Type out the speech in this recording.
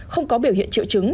không có biểu hiện triệu trưởng